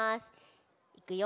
いくよ。